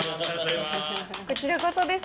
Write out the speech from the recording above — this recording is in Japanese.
こちらこそです。